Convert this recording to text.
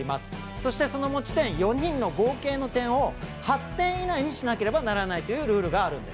そして、その持ち点４人の合計の点を８点以内にしなければならないというルールがあるんです。